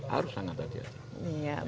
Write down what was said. harus sangat hati hati